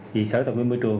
thì sở tổng nguyên môi trường